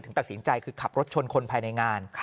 ตัดสินใจคือขับรถชนคนภายในงาน